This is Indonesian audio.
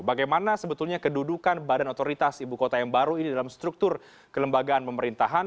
bagaimana sebetulnya kedudukan badan otoritas ibu kota yang baru ini dalam struktur kelembagaan pemerintahan